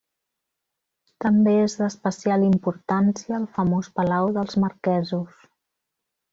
També és d'especial importància el famós palau dels marquesos.